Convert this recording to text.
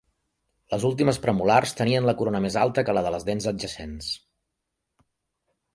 Les últimes premolars tenien la corona més alta que la de les dents adjacents.